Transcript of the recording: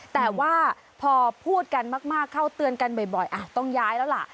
แต่ว่าพอพูดกันมากเข้าเตือนกันบ่อยต้องย้ายแล้วล่ะ